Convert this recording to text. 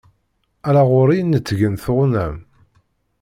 Ala ɣur-i i neṭṭgent tɣunam.